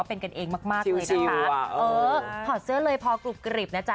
เออถอดเสื้อเลยพอกรูปกริบนะจ๊ะ